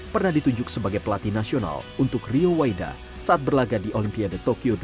pernah ditunjuk sebagai pelatih nasional untuk rio waida saat berlagak di olympia de tokyo dua ribu dua puluh